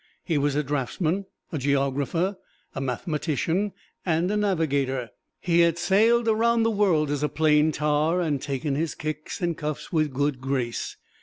He was a draftsman, a geographer, a mathematician and a navigator. He had sailed around the world as a plain tar, and taken his kicks and cuffs with good grace.